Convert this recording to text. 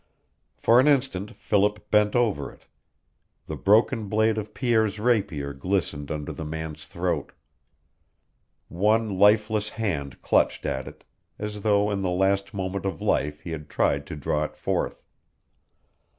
For an instant Philip bent over it. The broken blade of Pierre's rapier glistened under the man's throat. One lifeless hand clutched at it, as though in the last moment of life he had tried to draw it forth.